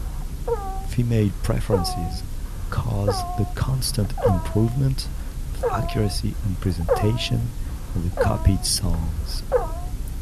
Female preferences cause the constant improvement of accuracy and presentation of the copied songs.